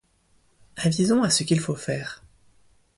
Avisons à ce qu’il faut faire